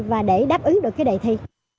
và để đáp ứng được cái đề thi